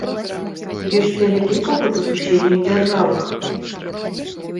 Ёсць вялікі попыт у суседніх дзяржавах.